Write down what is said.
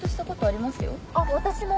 あっ私も